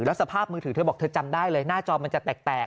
แล้วสภาพมือถือเธอบอกเธอจำได้เลยหน้าจอมันจะแตก